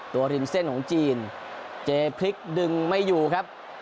ริมเส้นของจีนเจพลิกดึงไม่อยู่ครับ